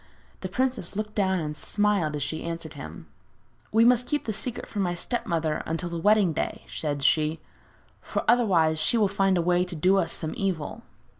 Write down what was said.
The princess looked down and smiled as she answered him: 'We must keep the secret from my step mother until the wedding day,' said she, 'for otherwise she will find a way to do us some evil.'